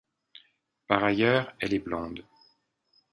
Par ailleurs, elle est blonde.